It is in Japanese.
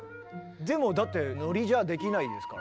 でもだってノリじゃできないですからね。